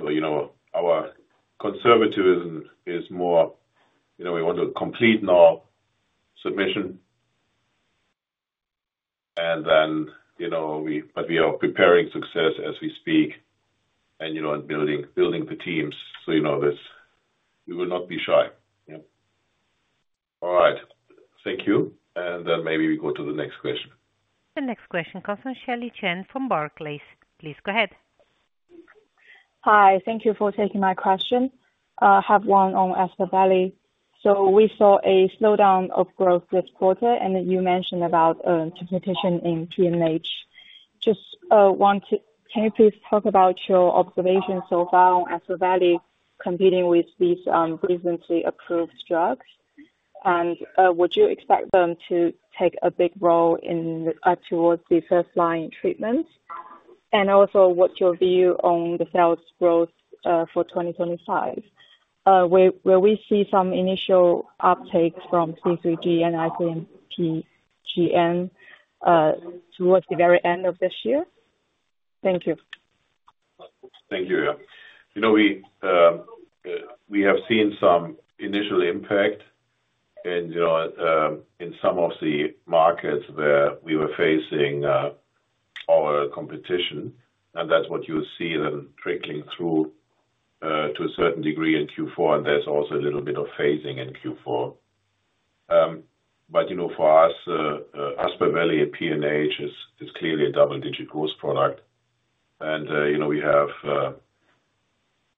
Speaker 2: Our conservatism is more we want to complete now submission, and then we are preparing success as we speak and building the teams. We will not be shy. Yeah. All right. Thank you. And then maybe we go to the next question.
Speaker 1: The next question comes from Shelly Chen from Barclays. Please go ahead.
Speaker 10: Hi. Thank you for taking my question. I have one on Aspaveli. So we saw a slowdown of growth this quarter, and you mentioned about the competition in PNH. Just want to, can you please talk about your observations so far on Aspaveli competing with these recently approved drugs? And would you expect them to take a big role towards the first-line treatments? And also, what's your view on the sales growth for 2025? Will we see some initial uptake from C3G and IC-MPGN towards the very end of this year? Thank you.
Speaker 2: Thank you. We have seen some initial impact in some of the markets where we were facing our competition. That's what you'll see them trickling through to a certain degree in Q4, and there's also a little bit of phasing in Q4. But for us, Aspaveli and PNH is clearly a double-digit growth product. And we have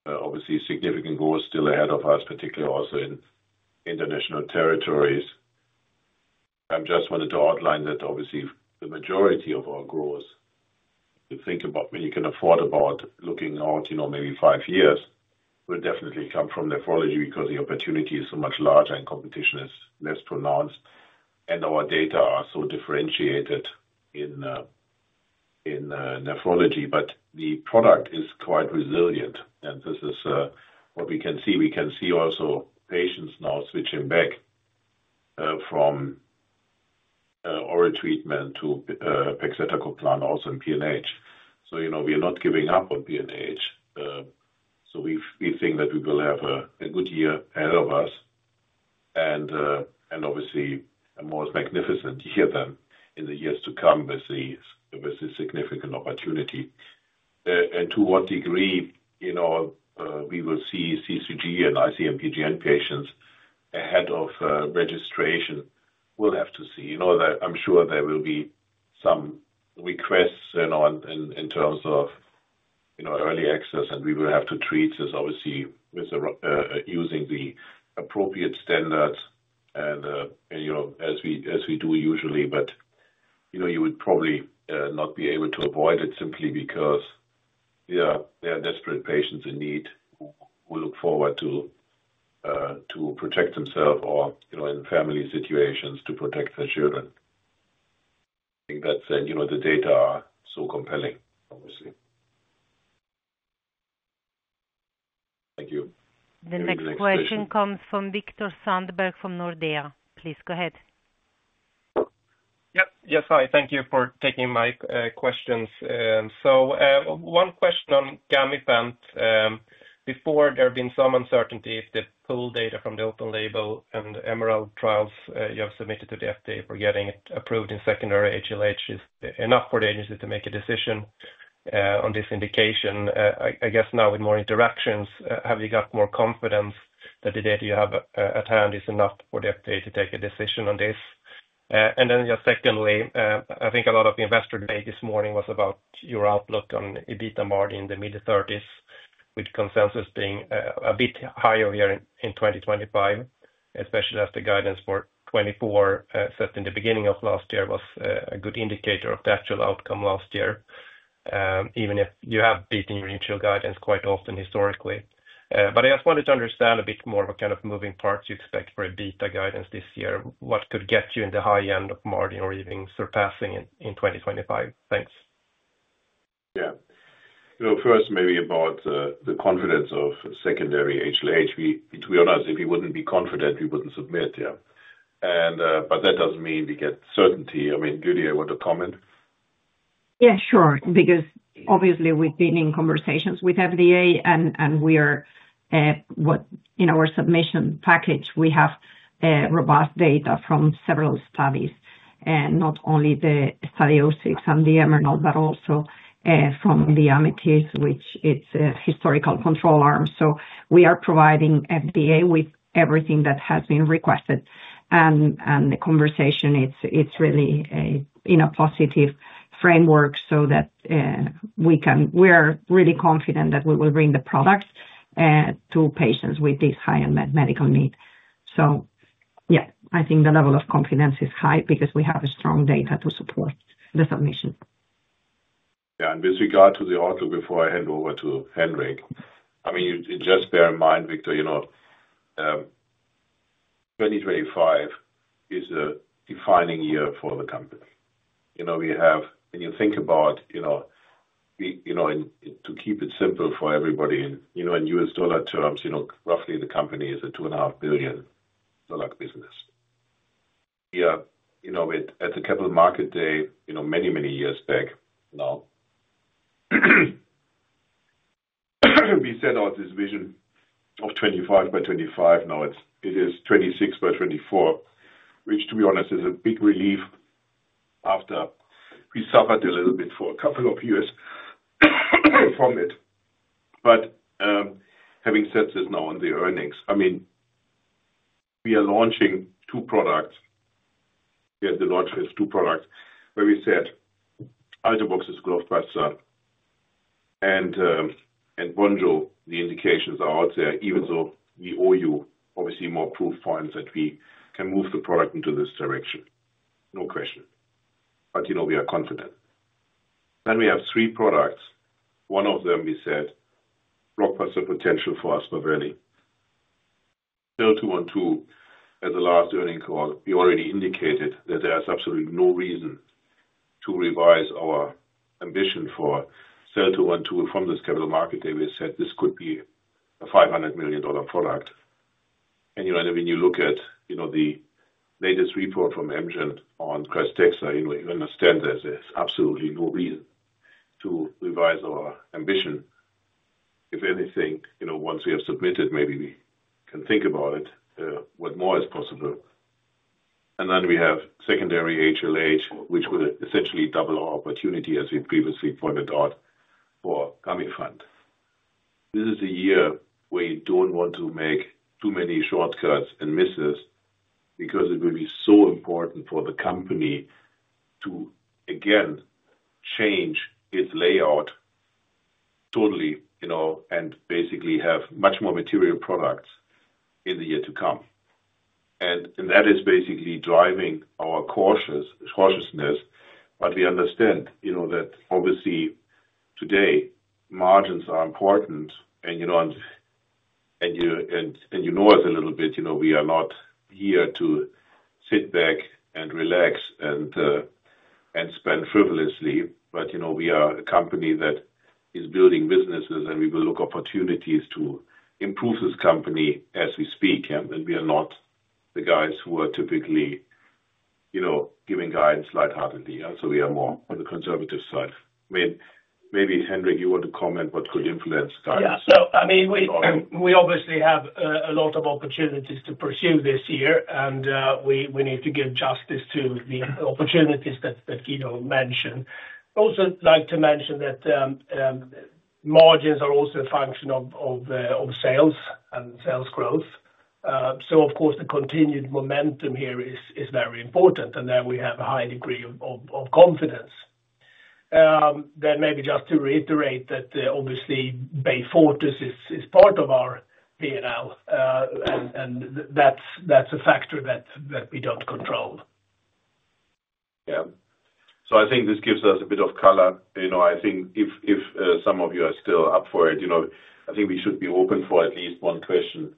Speaker 2: obviously significant growth still ahead of us, particularly also in international territories. I just wanted to outline that obviously the majority of our growth, if you think about, when you can afford about looking out maybe five years, will definitely come from nephrology because the opportunity is so much larger and competition is less pronounced. And our data are so differentiated in nephrology, but the product is quite resilient. And this is what we can see. We can see also patients now switching back from oral treatment to pegcetacoplan also in PNH. So we are not giving up on PNH. So we think that we will have a good year ahead of us. And obviously, a more magnificent year than in the years to come with the significant opportunity. And to what degree we will see C3G and IC-MPGN patients ahead of registration, we'll have to see. I'm sure there will be some requests in terms of early access, and we will have to treat this obviously using the appropriate standards as we do usually. But you would probably not be able to avoid it simply because there are desperate patients in need who look forward to protect themselves or in family situations to protect their children. I think that's the data are so compelling, obviously. Thank you.
Speaker 1: The next question comes from Viktor Sandberg from Nordea. Please go ahead.
Speaker 11: Yep. Yes, hi. Thank you for taking my questions. So one question on Gamifant. Before, there have been some uncertainty if the pooled data from the open-label and the MRL trials you have submitted to the FDA for getting it approved in secondary HLH is enough for the agency to make a decision on this indication. I guess now with more interactions, have you got more confidence that the data you have at hand is enough for the FDA to take a decision on this? And then secondly, I think a lot of investor debate this morning was about your outlook on revenue in the mid-30s, with consensus being a bit higher here in 2025, especially as the guidance for 2024 set in the beginning of last year was a good indicator of the actual outcome last year, even if you have beaten your initial guidance quite often historically. But I just wanted to understand a bit more of what kind of moving parts you expect for EBITDA guidance this year. What could get you in the high end of margin or even surpassing in 2025? Thanks.
Speaker 2: Yeah. So first, maybe about the confidence of secondary HLH. To be honest, if we wouldn't be confident, we wouldn't submit. Yeah. But that doesn't mean we get certainty. I mean, Lydia, you want to comment?
Speaker 3: Yeah, sure. Because obviously, we've been in conversations with FDA, and in our submission package, we have robust data from several studies, not only the Study 06 and the MRL, but also from the AMITIS, which is a historical control arm. So we are providing FDA with everything that has been requested. The conversation, it's really in a positive framework so that we are really confident that we will bring the product to patients with this high unmet medical need. Yeah, I think the level of confidence is high because we have strong data to support the submission.
Speaker 2: Yeah. With regard to the outlook before I hand over to Henrik, I mean, just bear in mind, Viktor, 2025 is a defining year for the company. When you think about to keep it simple for everybody in US dollar terms, roughly the company is a $2.5 billion business. We are, at the Capital Market Day, many, many years back now, we set out this vision of 25 by 25. Now it is 26 by 24, which, to be honest, is a big relief after we suffered a little bit for a couple of years from it. But having said this now on the earnings, I mean, we are launching two products. We had the launch with two products where we said Altuviiio is growth faster. And Vonjo, the indications are out there, even though we owe you obviously more proof points that we can move the product into this direction. No question. But we are confident. Then we have three products. One of them, we said, blockbuster potential for Aspaveli. SEL-212, as the last earnings call, we already indicated that there is absolutely no reason to revise our ambition for SEL-212 from this capital market. We said this could be a $500 million product. And when you look at the latest report from Amgen on Krystexxa, you understand there's absolutely no reason to revise our ambition. If anything, once we have submitted, maybe we can think about it, what more is possible. Then we have secondary HLH, which will essentially double our opportunity, as we previously pointed out, for Gamifant. This is a year where you don't want to make too many shortcuts and misses because it will be so important for the company to, again, change its layout totally and basically have much more material products in the year to come. That is basically driving our cautiousness. We understand that obviously today, margins are important. You know us a little bit. We are not here to sit back and relax and spend frivolously. We are a company that is building businesses, and we will look for opportunities to improve this company as we speak. We are not the guys who are typically giving guidance lightheartedly. We are more on the conservative side. Maybe Henrik, you want to comment what could influence guidance?
Speaker 12: Yeah. So I mean, we obviously have a lot of opportunities to pursue this year, and we need to give justice to the opportunities that Guido mentioned. I'd also like to mention that margins are also a function of sales and sales growth. So of course, the continued momentum here is very important, and there we have a high degree of confidence. Then maybe just to reiterate that obviously, Beyfortus is part of our P&L, and that's a factor that we don't control.
Speaker 2: Yeah. So I think this gives us a bit of color. I think if some of you are still up for it, I think we should be open for at least one question.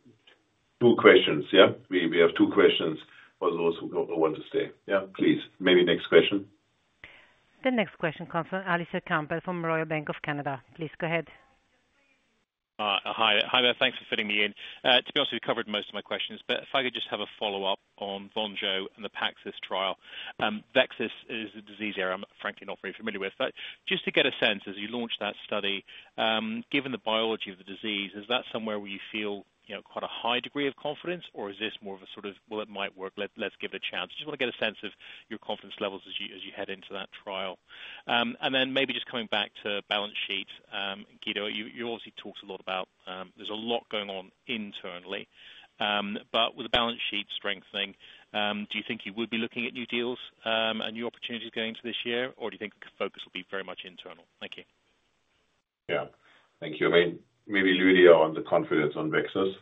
Speaker 2: Two questions. Yeah? We have two questions for those who want to stay. Yeah? Please. Maybe next question.
Speaker 1: The next question comes from Alastair Campbell from Royal Bank of Canada. Please go ahead.
Speaker 13: Hi, there. Thanks for fitting me in. To be honest, we've covered most of my questions, but if I could just have a follow-up on Vonjo and the PAXIS trial. VEXAS is a disease with which I'm frankly not very familiar with. But just to get a sense, as you launched that study, given the biology of the disease, is that somewhere where you feel quite a high degree of confidence, or is this more of a sort of, "Well, it might work. Let's give it a chance"? Just want to get a sense of your confidence levels as you head into that trial. And then maybe just coming back to balance sheets, Guido, you obviously talked a lot about there's a lot going on internally. But with the balance sheet strengthening, do you think you would be looking at new deals and new opportunities going into this year, or do you think the focus will be very much internal? Thank you. Yeah. Thank you. I mean, maybe Lydia on the confidence on VEXAS.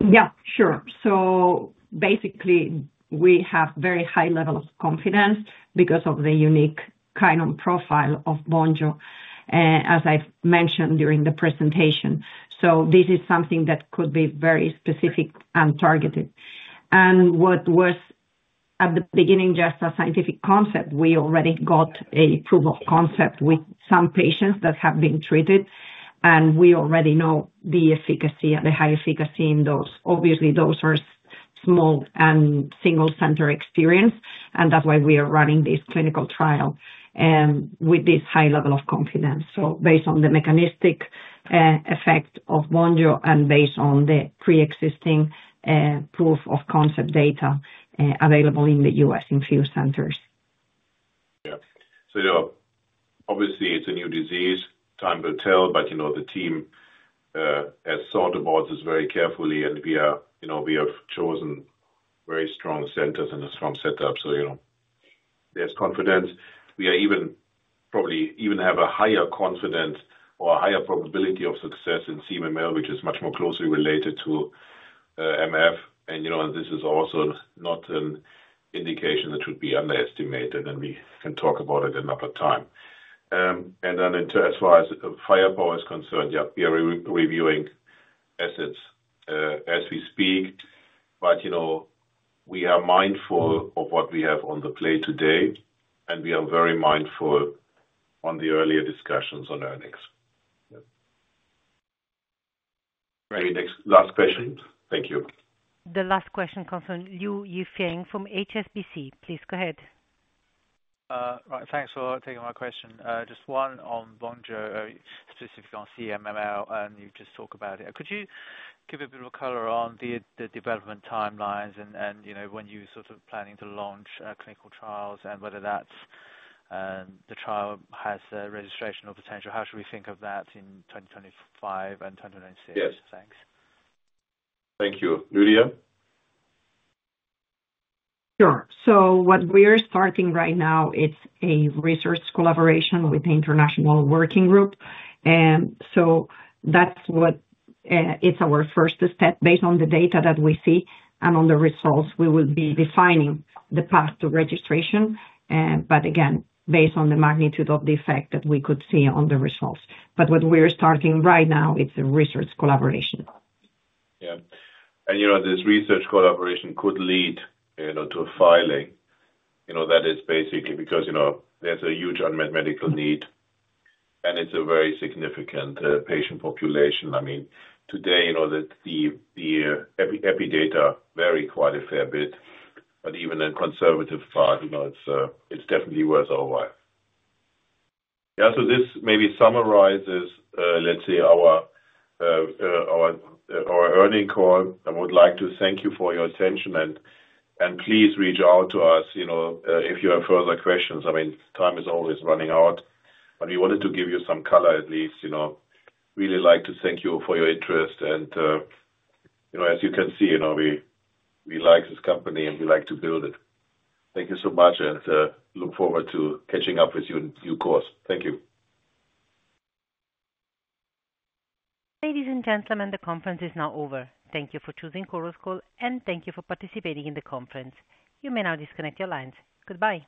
Speaker 3: Yeah. Sure. So basically, we have a very high level of confidence because of the unique kind of profile of Vonjo, as I've mentioned during the presentation. So this is something that could be very specific and targeted. And what was at the beginning just a scientific concept, we already got a proof of concept with some patients that have been treated, and we already know the efficacy and the high efficacy in those. Obviously, those are small and single-center experience, and that's why we are running this clinical trial with this high level of confidence. So based on the mechanistic effect of Vonjo and based on the pre-existing proof of concept data available in the U.S. in few centers.
Speaker 2: Yeah. So obviously, it's a new disease. Time will tell, but the team has thought about this very carefully, and we have chosen very strong centers and a strong setup. So there's confidence. We even probably have a higher confidence or a higher probability of success in CMML, which is much more closely related to MF. And this is also not an indication that should be underestimated, and we can talk about it another time. And then as far as firepower is concerned, yeah, we are reviewing assets as we speak. But we are mindful of what we have on the plate today, and we are very mindful on the earlier discussions on earnings. Maybe next last question. Thank you.
Speaker 1: The last question comes from Liu Yifeng from HSBC. Please go ahead.
Speaker 14: Right. Thanks for taking my question. Just one on Vonjo, specifically on CMML, and you just talked about it. Could you give a bit of color on the development timelines and when you're sort of planning to launch clinical trials and whether that's the trial has registration or potential? How should we think of that in 2025 and 2026? Thanks.
Speaker 2: Thank you. Lydia?
Speaker 3: Sure. So what we are starting right now, it's a research collaboration with the International Working Group. And so that's what it's our first step based on the data that we see and on the results. We will be defining the path to registration. But again, based on the magnitude of the effect that we could see on the results. But what we are starting right now, it's a research collaboration. Yeah.
Speaker 2: And this research collaboration could lead to a filing that is basically because there's a huge unmet medical need, and it's a very significant patient population. I mean, today, the epi data vary quite a fair bit, but even in conservative part, it's definitely worth our while. Yeah. So this maybe summarizes, let's say, our earnings call. I would like to thank you for your attention, and please reach out to us if you have further questions. I mean, time is always running out, but we wanted to give you some color at least. Really like to thank you for your interest. And as you can see, we like this company, and we like to build it. Thank you so much, and look forward to catching up with you in due course. Thank you.
Speaker 1: Ladies and gentlemen, the conference is now over. Thank you for choosing Chorus Call, and thank you for participating in the conference. You may now disconnect your lines. Goodbye.